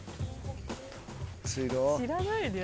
知らないんだよ